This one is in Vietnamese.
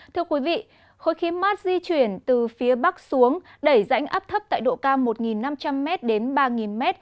thưa quý vị khối khí mát di chuyển từ phía bắc xuống đẩy rãnh áp thấp tại độ cao một năm trăm linh m đến ba m